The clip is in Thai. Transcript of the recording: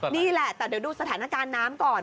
นี่แหละแต่เดี๋ยวดูสถานการณ์น้ำก่อน